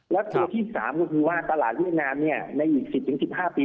และตัวที่๓ก็คือว่าตลาดเวียดนามในอีก๑๐๑๕ปี